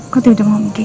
kau tidak mau begini